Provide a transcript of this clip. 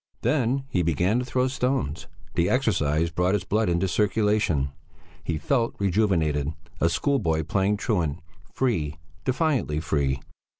Then he began to throw stones. The exercise brought his blood into circulation; he felt rejuvenated, a schoolboy playing truant, free, defiantly free!